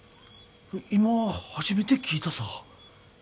今初めて聞いたさ。